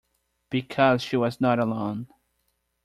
Because she was not alone.